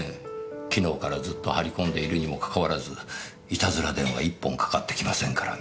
昨日からずっと張り込んでいるにもかかわらずいたずら電話１本かかってきませんからねぇ。